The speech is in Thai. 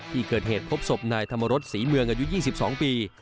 ที่เกิดเหตุพบศพนายธรรมรสศรีเมืองอายุ๒๒ปี